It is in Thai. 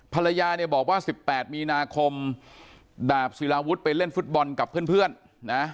ภรรยาเนี่ยบอกว่า๑๘มีนาคมดาบศิลาวุฒิไปเล่นฟุตบอลกับเพื่อนนะ